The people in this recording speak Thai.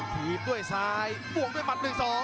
ทีบด้วยซ้ายปวงด้วยมัดหนึ่งสอง